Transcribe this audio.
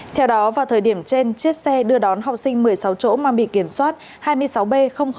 theo đó vào thời điểm trên chiếc xe đưa đón học sinh một mươi sáu chỗ mà bị kiểm soát hai mươi sáu b bảy trăm linh một